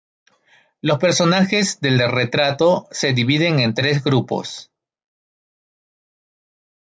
Los personajes del retrato se dividen en tres grupos.